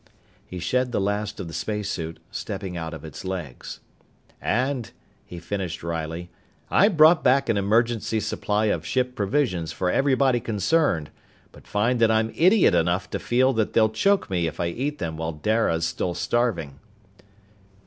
He shed the last of the spacesuit, stepping out of its legs. "And," he finished wryly, "I brought back an emergency supply of ship provisions for everybody concerned, but find that I'm idiot enough to feel that they'll choke me if I eat them while Dara's still starving."